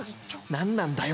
何なんだよ？